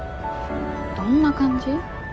どんな感じ？